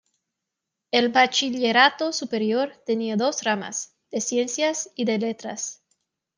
El Bachillerato superior tenía dos ramas: de Ciencias y de Letras.